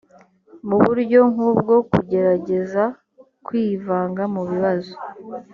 mu buryo nk ubwo kugerageza kwivanga mu bibazo